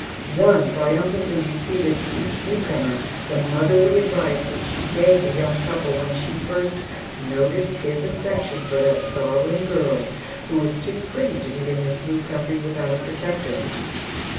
One triumphantly repeated to each newcomer the motherly advice which she gave the young couple when she "first noticed his affection for that sorrowing girl, who is too pretty to be in this new country without a protector."